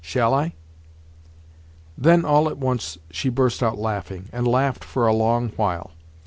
Shall I?" Then all at once she burst out laughing, and laughed for a long while.